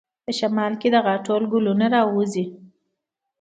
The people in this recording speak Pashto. په شمال کې د غاټول ګلونه راوځي.